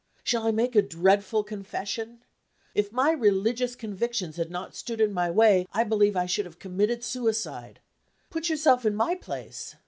Shall I make a dreadful confession? If my religious convictions had not stood in my way, I believe I should have committed suicide. Put yourself in my place.